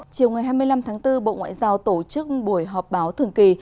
chiều ngày hai mươi năm tháng bốn bộ ngoại giao tổ chức buổi họp báo thường kỳ